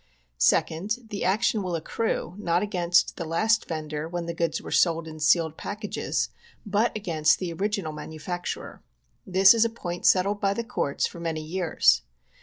Second : The action will accrue not against the last vendor when the goods are sold in sealed packages, but against the original manufacturer. This is a point settled by the courts for many years.